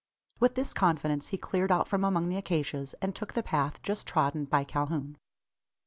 With this confidence he cleared out from among the acacias, and took the path just trodden by Calhoun.